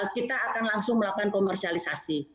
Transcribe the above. kita akan langsung melakukan komersialisasi